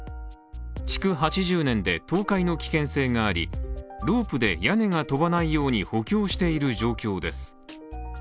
築８０年で倒壊の危険性がありロープで、屋根が飛ばないように補強している状況です。